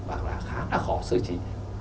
và khá là khó xưa chỉ